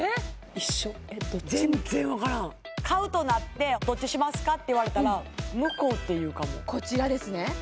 一緒全然分からん買うとなってどっちしますかって言われたら向こうって言うかもこちらですね